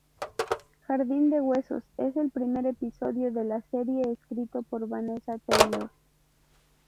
Jardin de Huesos es el primer episodio de la serie escrito por Vanessa Taylor.